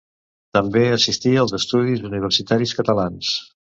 També assistí als Estudis Universitaris Catalans.